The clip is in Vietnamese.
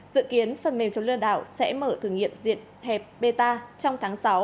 dự kiến phần mềm chống lừa đảo sẽ mở thử nghiệm diện hẹp beta trong tháng sáu